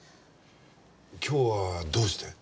今日はどうして？